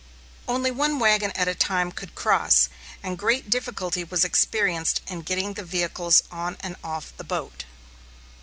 Only one wagon at a time could cross, and great difficulty was experienced in getting the vehicles on and off the boat.